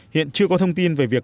hiện chưa có thông tin về việc